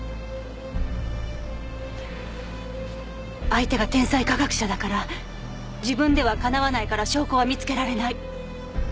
相手が天才科学者だから自分ではかなわないから証拠は見つけられない。